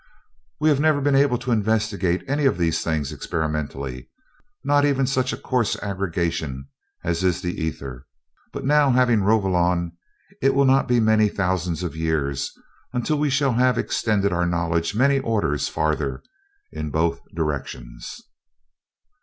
We have never been able to investigate any of these things experimentally, not even such a coarse aggregation as is the ether; but now, having Rovolon, it will not be many thousands of years until we shall have extended our knowledge many orders farther, in both directions."